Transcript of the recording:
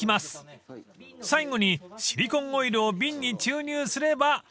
［最後にシリコンオイルを瓶に注入すれば完成］